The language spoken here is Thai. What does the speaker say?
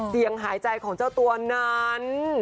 หายใจของเจ้าตัวนั้น